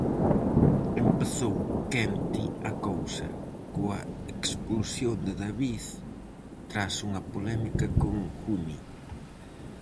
Empezou quente a cousa, coa expulsión de David tras unha polémica con Juni.